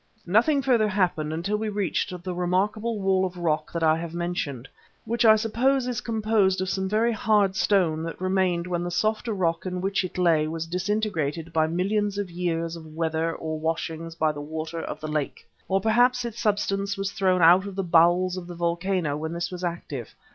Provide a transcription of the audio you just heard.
Nothing further happened until we reached the remarkable wall of rock that I have mentioned, which I suppose is composed of some very hard stone that remained when the softer rock in which it lay was disintegrated by millions of years of weather or washings by the water of the lake. Or perhaps its substance was thrown out of the bowels of the volcano when this was active.